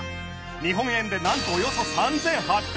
日本円でなんとおよそ３８００万円！